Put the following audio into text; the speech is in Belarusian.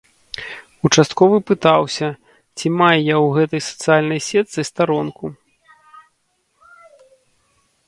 Участковы пытаўся, ці маю я ў гэтай сацыяльнай сетцы старонку.